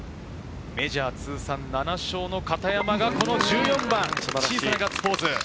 メジャー通算７勝の片山がこの１４番、小さなガッツポーズ。